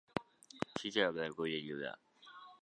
旗津海岸公園停車場